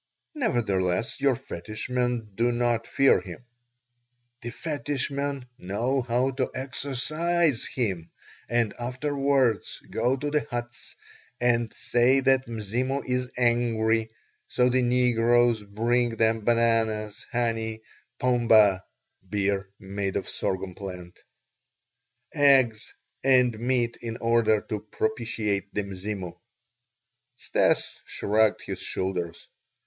"Nevertheless your fetish men do not fear him." "The fetish men know how to exorcise him, and afterwards go to the huts and say that Mzimu is angry; so the negroes bring them bananas, honey, pombe (beer made of sorghum plant), eggs, and meat in order to propitiate the Mzimu." Stas shrugged his shoulders.